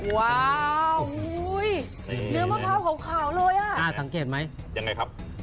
ว้าวเนื้อมะพร้าวขาวเลยอ่ะอ่าสังเกตไหมยังไงครับ